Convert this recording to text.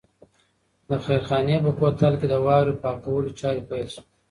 د خیرخانې په کوتل کې د واورې پاکولو چارې پیل شوې.